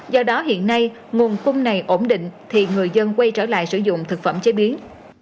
do đó hiện nay nguồn cung này ổn định thì người dân quay trở lại sử dụng thực phẩm chế biến